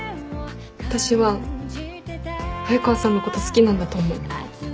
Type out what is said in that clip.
私は早川さんのこと好きなんだと思う。